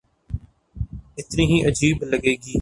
اتنی ہی عجیب لگے گی۔